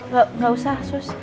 gak usah sus